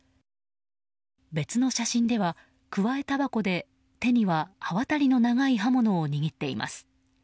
別の写真では、くわえたばこで手には刃渡りの長い刃物をにぎっています。